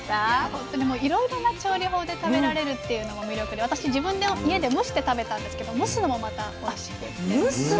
本当にいろいろな調理法で食べられるっていうのも魅力で私自分の家で蒸して食べたんですけど蒸すのもまたおいしいですね。